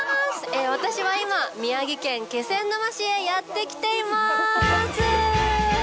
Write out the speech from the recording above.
私は今、宮城県気仙沼市へやってきています。